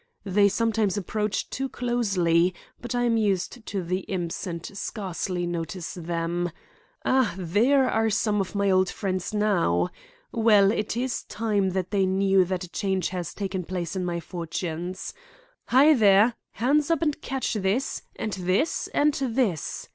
"They sometimes approach too closely, but I am used to the imps and scarcely notice them. Ah! there are some of my old friends now! Well, it is time they knew that a change has taken place in my fortunes. Hi, there! Hands up and catch this, and this, and this!"